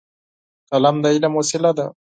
قلم د علم وسیله ده.